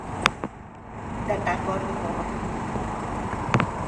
De tan bon humor.